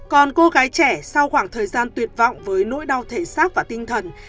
còn cô gái trẻ sau khoảng thời gian tuyệt vọng với nỗi đau thể xác và tinh thần